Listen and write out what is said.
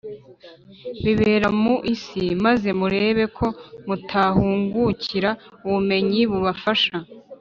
bibera mu isi, maze murebe ko mutahungukira ubumenyi bubafasha